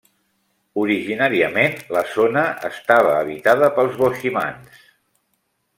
Originàriament la zona estava habitada pels boiximans.